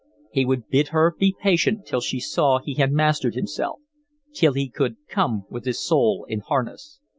He would bid her be patient till she saw he had mastered himself, till he could come with his soul in harness.